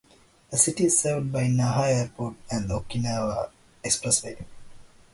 The city is served by Naha Airport and the Okinawa Expressway.